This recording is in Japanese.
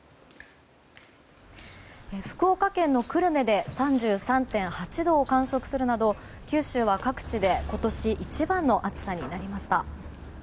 福岡県の久留米で３３．８度を観測するなど九州は各地で今年一番の暑さになりました。